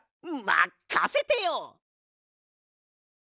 まっかせてよ！